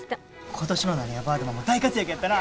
今年のなにわバードマンも大活躍やったな。